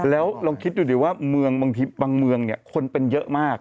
แล้วลองคิดดูดิว่าบางเมืองเนี่ยคนเป็นเยอะมาก